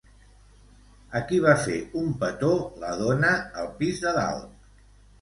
A qui va fer un petó la dona al pis de dalt?